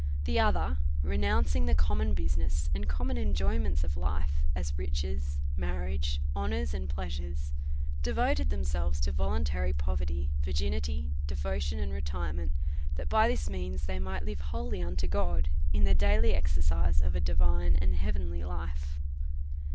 The other, renouncing the common business and common enjoyments of life, as riches, marriage, ho nours, and pleasures, devoted themselves to voluntary poverty, virginity, devotion, and retirement, that by this means they might live wholly unto God, in the daily exercise of a divine and heavenly life.